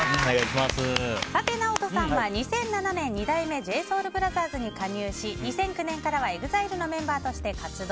ＮＡＯＴＯさんは２００７年二代目ＪＳＯＵＬＢＲＯＴＨＥＲＳに加入し、２００９年からはＥＸＩＬＥのメンバーとして活動。